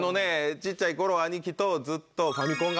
小っちゃい頃兄貴とずっと。